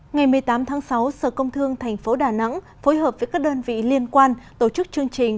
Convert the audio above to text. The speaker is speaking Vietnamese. ngày một mươi tám tháng sáu sở công thương tp đà nẵng phối hợp với các đơn vị liên quan tổ chức chương trình